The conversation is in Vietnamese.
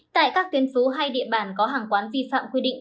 tại các tuyến phố hay địa bàn có hàng quán vi phạm quy định